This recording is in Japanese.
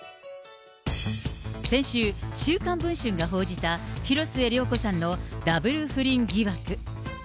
先週、週刊文春が報じた、広末涼子さんのダブル不倫疑惑。